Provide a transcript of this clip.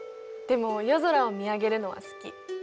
でも夜空を見上げるのは好き。